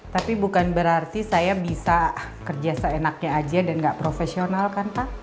tapi bukan berarti saya bisa kerja seenaknya aja dan gak profesional kan pak